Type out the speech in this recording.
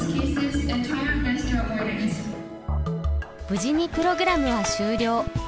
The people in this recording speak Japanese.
無事にプログラムは終了。